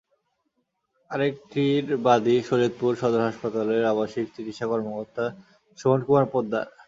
আরেকটির বাদী শরীয়তপুর সদর হাসপাতালের আবাসিক চিকিৎসা কর্মকর্তা সুমন কুমার পোদ্দার।